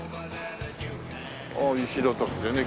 ああ石畳でね